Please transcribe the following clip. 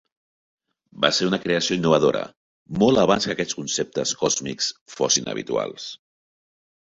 Va ser una creació innovadora molt abans que aquests conceptes còsmics fossin habituals.